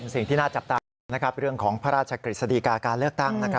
สิ่งที่น่าจับตามองเรื่องของพระราชกฤษฎีกาการเลือกตั้ง